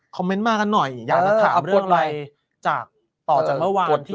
คอมเมนต์มากันหน่อยอยากจะถามเรื่องอะไรจักต่อจากเมื่อวาน